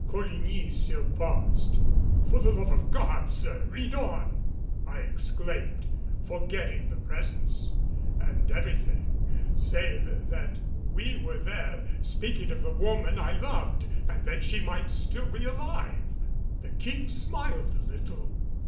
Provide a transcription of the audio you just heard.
Coligny still paused. "For the love of God, sir, read on," I exclaimed, forgetting the Presence and everything save that we were there, speaking of the woman I loved and that she might still be alive. The King smiled a little.